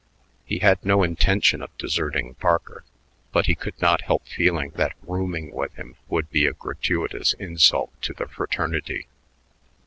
He had no intention of deserting Parker, but he could not help feeling that rooming with him would be a gratuitous insult to the fraternity.